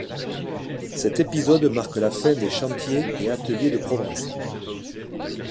Cet épisode marque la fin des Chantiers et Ateliers de Provence.